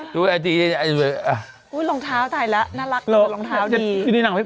ดูอ่ะดีอ่ะอัุ้ยลงเท้าไอล่ะน่ารักกับลงเท้าดีที่ในหนัง